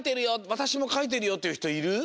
わたしもかいてるよっていうひといる？